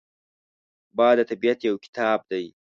باد د طبیعت یو کتاب دی